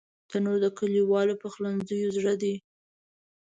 تنور د کلیوالو پخلنځیو زړه دی